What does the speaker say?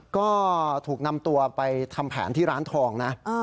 ก็ถูกนำตัวไปทำแผนที่ร้านทองนะ